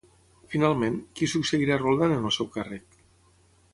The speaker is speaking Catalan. Finalment, qui succeirà Roldán en el seu càrrec?